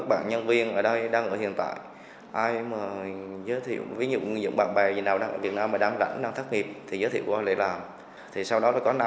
cho em năm người hai mươi năm triệu